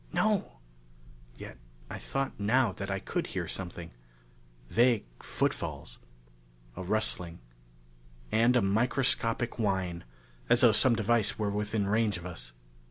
"No!" Yet I thought now that I could hear something. Vague footfalls. A rustling. And a microscopic whine, as though some device were within range of us.